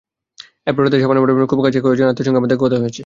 এরপর রাতেই শাবানা ম্যাডামের খুব কাছের কয়েকজন আত্মীয়ের সঙ্গে আমার কথা হয়েছে।